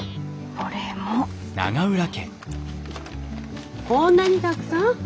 こんなにたくさん！